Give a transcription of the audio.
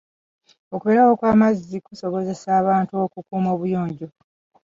Okubeerawo kw'amazzi kusobozesa abantu okukuuma obuyonjo.